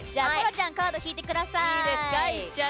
ちゃんカード引いてください。